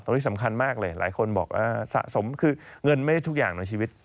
ที่สำคัญมากเลยหลายคนบอกว่าสะสมคือเงินไม่ได้ทุกอย่างในชีวิต